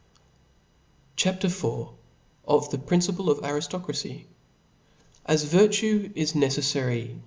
CHAP. IV. Of the Principle of Arijlocracy. A S virtue is neceflary in.